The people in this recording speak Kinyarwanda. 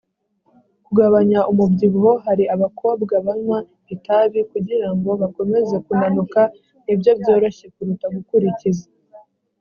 kugabanya umubyibuho hari abakobwa banywa itabi kugira ngo bakomeze kunanuka ni byo byoroshye kuruta gukurikiza